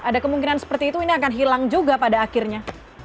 ada kemungkinan seperti itu ini akan hilang juga pada akhirnya